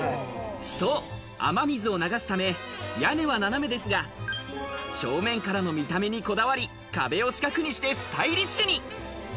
そう、雨水を流すため、屋根は斜めですが、正面からの見た目にこだわり、壁を四角にしてスタイリッシュに。